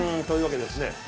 というわけでですね